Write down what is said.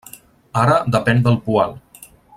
Ara depèn del Poal.